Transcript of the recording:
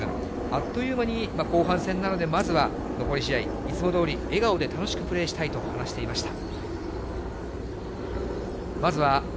あっという間に後半戦なので、まずはこの試合、いつもどおり笑顔で楽しくプレーしたいと話していました。